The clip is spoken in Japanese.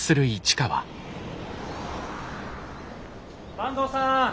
坂東さん！